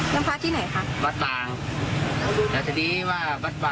พร้อมกับตังค์ที่มันขอแรกตังค์กับแฟนไปนะ